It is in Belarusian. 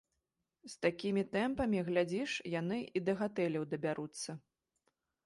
З такімі тэмпамі, глядзіш, яны і да гатэляў дабяруцца.